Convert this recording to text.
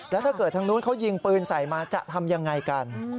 แล้วถ้าเกิดทางนู้นเขายิงปืนใส่มาจะทำยังไงกัน